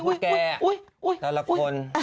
เกลากลัวตลาดคน